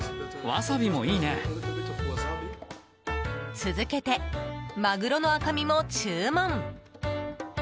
続けて、マグロの赤身も注文。